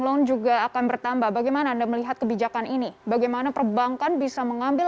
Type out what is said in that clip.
loan juga akan bertambah bagaimana anda melihat kebijakan ini bagaimana perbankan bisa mengambil